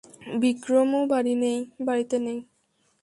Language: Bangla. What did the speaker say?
বিক্রম, ও বাড়িতে নেই।